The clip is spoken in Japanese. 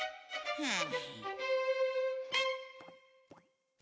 はあ？